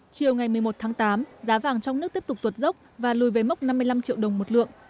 chiều ngày một mươi một tháng tám giá vàng trong nước tiếp tục tuột dốc và lùi về mốc năm mươi năm triệu đồng một lượng